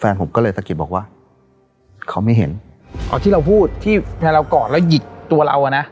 ผมก็เลยสะกิดบอกว่าเขาไม่เห็นอ๋อที่เราพูดที่แฟนเรากอดแล้วหยิกตัวเราอ่ะนะ